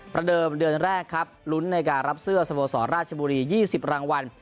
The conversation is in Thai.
เดิมเดือนแรกครับลุ้นในการรับเสื้อสโมสรราชบุรี๒๐รางวัล